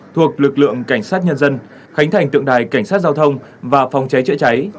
thuộc lực lượng cảnh sát nhân dân khánh thành tượng đài cảnh sát giao thông và phòng cháy chữa cháy